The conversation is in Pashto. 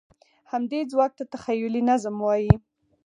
همدې ځواک ته تخیلي نظم وایي.